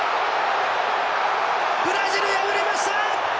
ブラジル、敗れました！